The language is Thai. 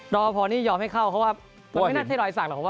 รอบประพอนี้ยอมให้เข้าเพราะว่ามันไม่น่าใช่รอยสักหรอก